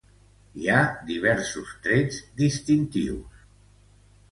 Hi ha diversos trets distintius.